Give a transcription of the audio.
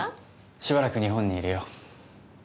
しばらく日本にいるよ。